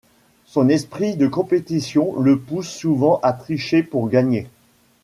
Son esprit de compétition le pousse souvent à tricher pour gagner.